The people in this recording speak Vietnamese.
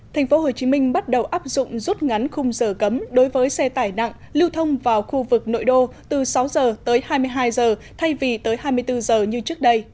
thành phố hồ chí minh bắt đầu áp dụng rút ngắn khung giờ cấm đối với xe tải nặng lưu thông vào khu vực nội đô từ sáu giờ tới hai mươi hai giờ thay vì tới hai mươi bốn giờ như trước đây